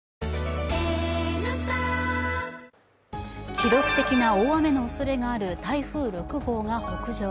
記録的な大雨のおそれがある台風６号が北上。